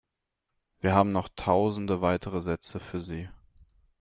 Wir haben noch tausende weitere Sätze für Sie.